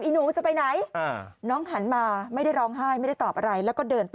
ไอ้หนูจะไปไหนน้องหันมาไม่ได้ร้องไห้ไม่ได้ตอบอะไร